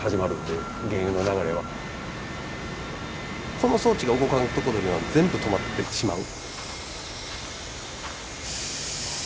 その装置が動かんことには全部止まってしまう。